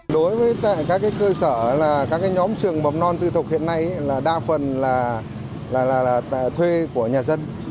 đối với các cơ sở các nhóm trường bấm non tư thuộc hiện nay đa phần là thuê của nhà dân